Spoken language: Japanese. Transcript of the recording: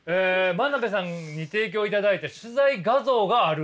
真鍋さんに提供いただいた取材画像がある？